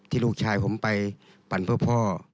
ลูกชายผมไปปั่นเพื่อพ่อ